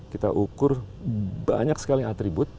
kita ukur banyak sekali atribut